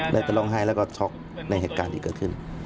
แล้วก็ร้องไห้แล้วก็ช็อกในเหตุการณ์ที่เกิดขึ้น